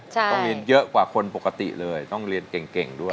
ต้องเรียนเยอะกว่าคนปกติเลยต้องเรียนเก่งด้วย